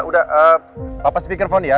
udah papa speakerphone ya